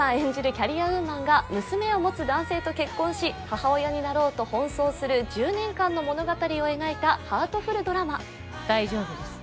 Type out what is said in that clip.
キャリアウーマンが娘を持つ男性と結婚し母親になろうと奔走する１０年間の物語を描いたハートフルドラマ大丈夫です